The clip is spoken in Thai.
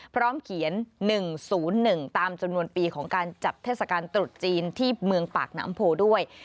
พร้อมเขียน๑๐๑ตามจำนวนปีของการจับเทศกาลตรุษจีนที่เมืองปากน้ำโพด้วย